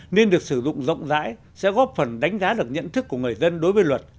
nên được sử dụng rộng rãi sẽ góp phần đánh giá được nhận thức của người dân đối với luật